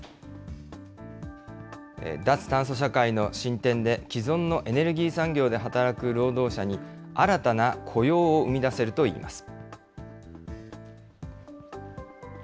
脱炭素社会の進展で、既存のエネルギー産業で働く労働者に新たな雇用を生み出せるといいます。